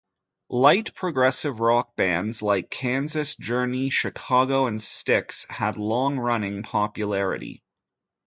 Light progressive-rock bands like Kansas, Journey, Chicago and Styx had long-running popularity.